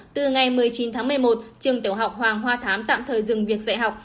từ ngày một mươi chín tháng một mươi một trường tiểu học hoàng hoa thám tạm thời dừng việc dạy học